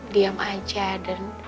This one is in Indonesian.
diam aja dan